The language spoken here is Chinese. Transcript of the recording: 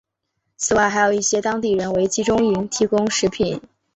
此外还有一些当地人为集中营提供食品。